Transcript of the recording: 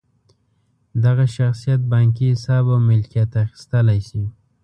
دغه شخصیت بانکي حساب او ملکیت اخیستلی شي.